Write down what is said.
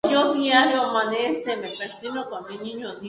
Sus miembros son nativos de Nueva Guinea y algunas islas aledañas.